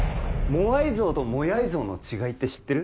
モアイ像とモヤイ像の違いって知ってる？